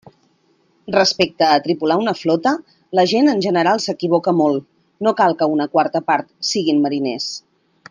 Respecte a tripular una flota, la gent en general s'equivoca molt; no cal que una quarta part siguen mariners.